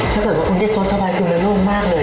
ถ้าเกิดว่าคนที่ซดเข้าไปคือมันโล่งมากเลย